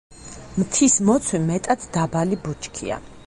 მთის მოცვი მეტად დაბალი ბუჩქია.